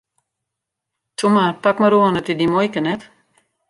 Toe mar, pak mar oan, it is dyn muoike net!